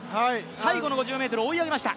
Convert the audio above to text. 最後の５０ｍ、追い上げました。